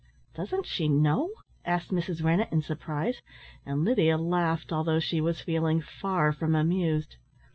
"Doesn't she know?" asked Mrs. Rennett in surprise, and Lydia laughed, although she was feeling far from amused.